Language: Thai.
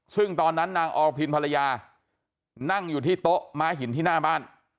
ซึ่งตอนนั้นนางอรพินภรรยานั่งอยู่ที่โต๊ะม้าหินที่หน้าบ้าน